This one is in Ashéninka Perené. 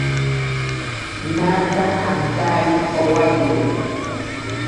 Naaka antari owayeri.